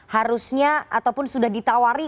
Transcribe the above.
harusnya ataupun sudah ditawari